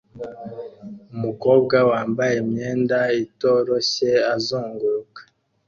Umukobwa wambaye imyenda itoroshye azunguruka